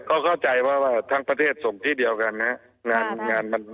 ก็เข้าใจว่าทั้งประเทศส่งที่เดียวกันนะ